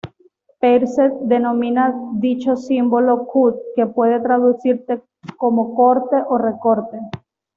Peirce denomina dicho símbolo "cut" que puede traducirse como "corte" o "recorte".